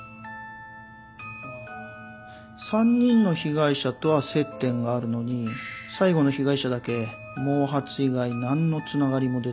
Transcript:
あ３人の被害者とは接点があるのに最後の被害者だけ毛髪以外何のつながりも出てこない